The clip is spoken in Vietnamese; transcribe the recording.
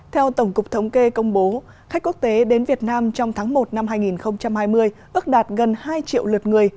theo tổng cục thống kê công bố khách quốc tế đến việt nam trong tháng một năm hai nghìn hai mươi ước đạt gần hai triệu lượt người